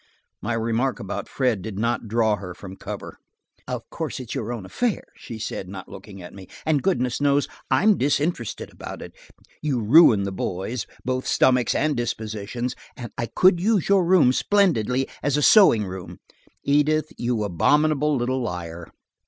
My remark about Fred did not draw her from cover. "Of course it's your own affair," she said, not looking at me, "and goodness knows I'm disinterested about it, you ruin the boys, both stomachs and dispositions, and I could use your room splendidly as a sewing room–" "Edith! You abominable little liar!"